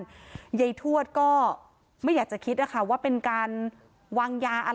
นี่ค่ะคือที่นี้ตัวใยทวดที่ทำให้สามีเธอเสียชีวิตรึเปล่าแล้วก็ไปพบศพในคลองหลังบ้านหลังบ้าน